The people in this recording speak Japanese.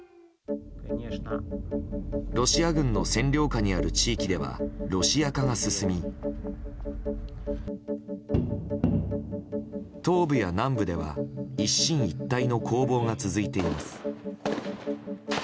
ロシア軍の占領下にある地域ではロシア化が進み東部や南部では一進一退の攻防が続いています。